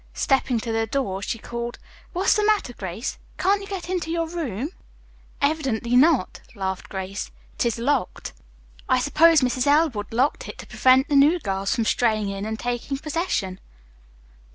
Stepping to the door she called, "What's the matter, Grace? Can't you get into your room?" "Evidently not," laughed Grace. "It is locked. I suppose Mrs. Elwood locked it to prevent the new girls from straying in and taking possession."